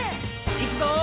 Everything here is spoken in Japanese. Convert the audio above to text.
いくぞ！